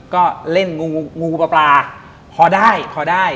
ก็เล่นงูปลาพอได้